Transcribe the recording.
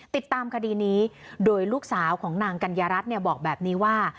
ติดตามคดีนี้โดยลูกสาวของนางกัญญารัฐบอกแบบนี้ว่า